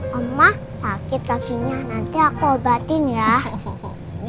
mama sakit lagi nya nanti aku obatin ya